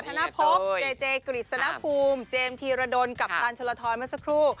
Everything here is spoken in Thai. ธนภพเจเจกฤษณภูมิเจมสธีรดลกัปตันชลทรเมื่อสักครู่